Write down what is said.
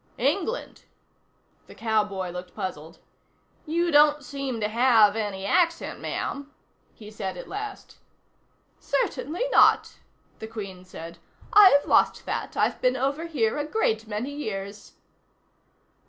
"England?" The cowboy looked puzzled. "You don't seem to have any accent, ma'am," he said at last. "Certainly not," the Queen said. "I've lost that; I've been over here a great many years."